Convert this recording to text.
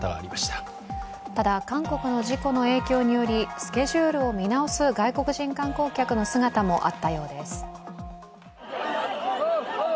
ただ、韓国の事故の影響によりスケジュールを見直す外国人観光客の姿もあったようです。